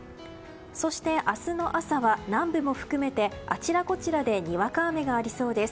そして、明日の朝は南部も含めてあちらこちらでにわか雨がありそうです。